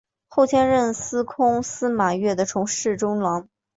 后迁任司空司马越的从事中郎。